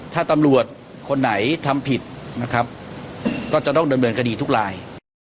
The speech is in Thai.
ถ้าตำรวจคนไหนทำผิดนะครับก็จะต้องดำเนินคดีทุกราย